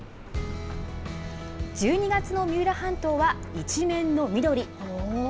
１２月の三浦半島は一面の緑。